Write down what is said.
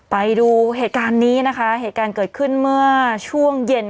ไปดูเหตุการณ์นี้นะคะเหตุการณ์เกิดขึ้นเมื่อช่วงเย็น